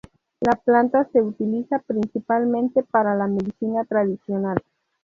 La planta se utiliza principalmente para la medicina tradicional.